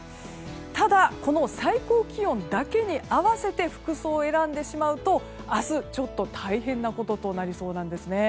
ただこの最高気温だけに合わせて服装を選んでしまうと明日、ちょっと大変なこととなりそうなんですね。